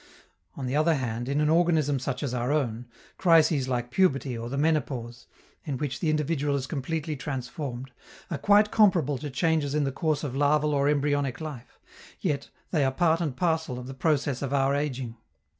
On the other hand, in an organism such as our own, crises like puberty or the menopause, in which the individual is completely transformed, are quite comparable to changes in the course of larval or embryonic life yet they are part and parcel of the process of our ageing.